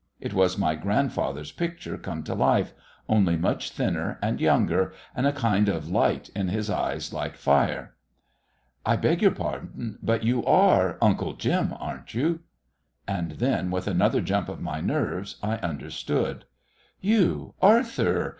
It was my grandfather's picture come to life, only much thinner and younger and a kind of light in his eyes like fire. "I beg your pardon, but you are Uncle Jim, aren't you?" And then, with another jump of my nerves, I understood. "You, Arthur!